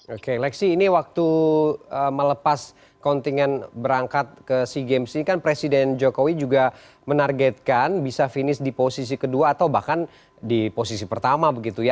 oke lexi ini waktu melepas kontingen berangkat ke sea games ini kan presiden jokowi juga menargetkan bisa finish di posisi kedua atau bahkan di posisi pertama begitu ya